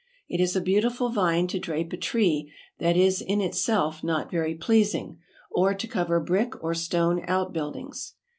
It is a beautiful vine to drape a tree that is in itself not very pleasing, or to cover brick or stone outbuildings.